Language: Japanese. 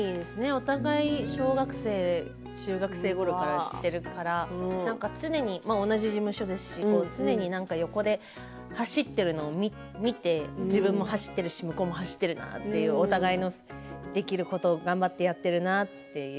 お互い小学生中学生くらい知っているから同じ事務所ですし、常に横で走ってるのを見て自分も走ってるし向こうも走ってるなというお互いのできることをやっているなと。